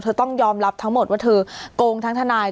ต้องยอมรับทั้งหมดว่าเธอโกงทั้งทนาย